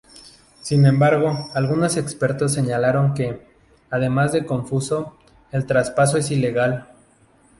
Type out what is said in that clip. Sin embargo, algunos expertos señalaron que, además de confuso, el traspaso es ilegal.